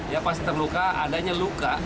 ya pas terluka adanya luka